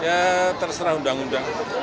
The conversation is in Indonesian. ya terserah undang undang